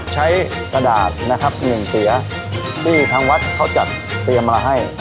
กระดาษนะครับหนึ่งเสียที่ทางวัดเขาจัดเตรียมมาให้